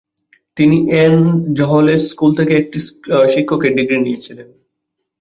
তিনি এন জহলেস স্কুল থেকে একটি শিক্ষকের ডিগ্রি নিয়েছিলেন।